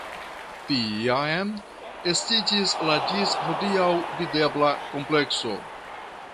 Tiam estiĝis la ĝis hodiaŭ videbla komplekso.